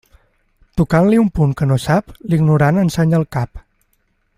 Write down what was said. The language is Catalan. Tocant-li un punt que no sap, l'ignorant ensenya el cap.